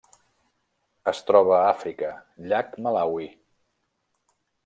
Es troba a Àfrica: llac Malawi.